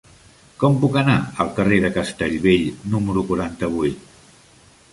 Com puc anar al carrer de Castellbell número quaranta-vuit?